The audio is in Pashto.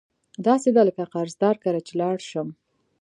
داسي دي لکه قرضدار کره چی لاړ شم